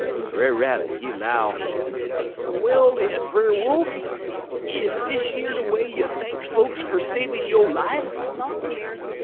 Brer Rabbit, he 'low: "'Well, den, Brer Wolf! Is dish yer de way you thanks folks fer savin' yo' life?'